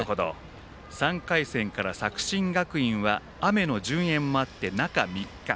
３回戦から作新学院は雨の順延もあって中３日。